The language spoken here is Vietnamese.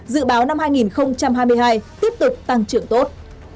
dự báo năm hai nghìn hai mươi hai tiếp tục tăng trưởng tốt